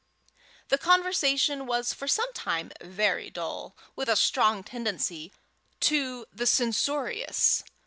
The conversation was for some time very dull, with a strong tendency to the censorious.